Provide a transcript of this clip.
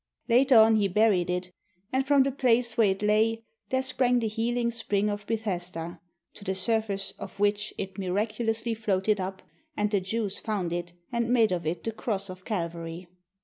Later on he buried it, and from the place where it lay there sprang the healing spring of Bethesda, to the surface of which it miraculously floated up, and the Jews found it and made of it the Cross of Calvary.